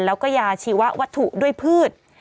แล้วก็ยาชีวัตถุด้วยพืช